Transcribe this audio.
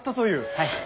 はい。